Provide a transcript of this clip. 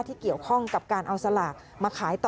ที่เกี่ยวข้องกับการเอาสลากมาขายต่อ